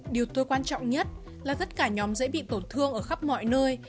điều tôi quan trọng nhất là tất cả nhóm dễ bị tổn thương ở khắp mọi nơi